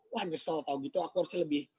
wah nyesel tau gitu aku harusnya lebih